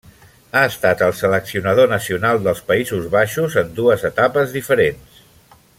Ha estat el seleccionador nacional dels Països Baixos en dues etapes diferents.